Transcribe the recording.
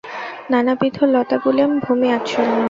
নানাবিধ লতাগুলেম ভূমি আচ্ছন্ন।